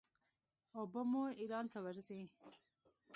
اوبه مو ایران ته ورځي.